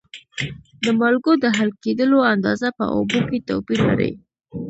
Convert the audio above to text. د مالګو د حل کیدلو اندازه په اوبو کې توپیر لري.